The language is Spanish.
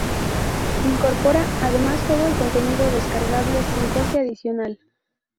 Incorpora, además, todo el contenido descargable sin coste adicional.